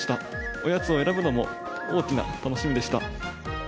おやつを選ぶのも大きな楽しみでした。